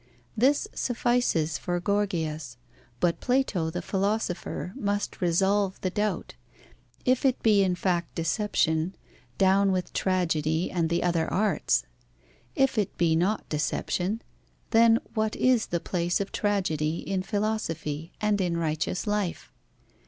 This suffices for Gorgias, but Plato, the philosopher, must resolve the doubt. If it be in fact deception, down with tragedy and the other arts! If it be not deception, then what is the place of tragedy in philosophy and in the righteous life?